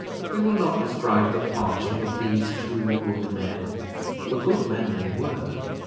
We will not describe the parting of these two good men, for good men they were.